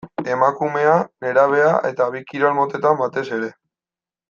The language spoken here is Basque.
Emakumea, nerabea eta bi kirol motetan batez ere.